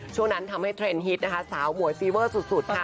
ช่วงนั้นทำให้เทรนดฮิตนะคะสาวหมวยซีเวอร์สุดค่ะ